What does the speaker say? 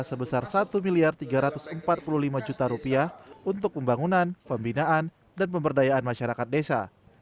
sebesar rp satu tiga ratus empat puluh lima untuk pembangunan pembinaan dan pemberdayaan masyarakat desa